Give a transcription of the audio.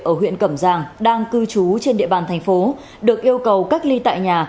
ở huyện cẩm giang đang cư trú trên địa bàn thành phố được yêu cầu cách ly tại nhà